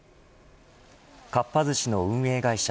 かっぱ寿司の運営会社